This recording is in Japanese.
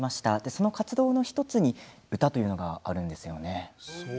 その活動の１つに歌というのがあるんですよね。